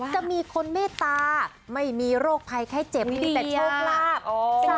จะมีคนเมตตาไม่มีโรคภัยไข้เจ็บมีแต่โชคลาภ